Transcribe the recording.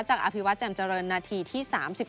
อภิวัตแจ่มเจริญนาทีที่๓๑